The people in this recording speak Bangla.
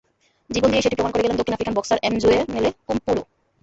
জীবন দিয়েই সেটি প্রমাণ করে গেলেন দক্ষিণ আফ্রিকান বক্সার এমজোয়ানেলে কোমপোলো।